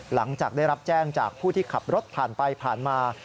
หลังจากได้รับแจ้งจากผู้ที่ขับรถผ่านไปผ่านมา